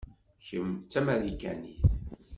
Kemm d tamarikanit.